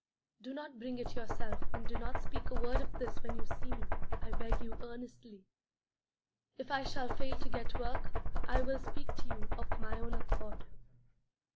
Do not bring it yourself, and do not speak a word of this when you see me, I beg you earnestly. If I shall fail to get work, I will speak to you of my own accord.